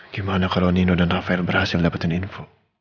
gimana kalau nino dan rafael berhasil dapetin info